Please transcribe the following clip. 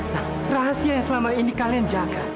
nah rahasia yang selama ini kalian jaga